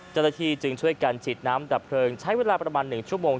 จรฐธีจึงช่วยกันฉีดน้ำดับเพลิงใช้เวลาประมาณหนึ่งชั่วโมง